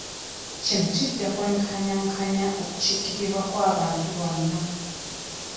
Kino kijja kwenkanyankanya okukiikirirwa kw'abantu bonna.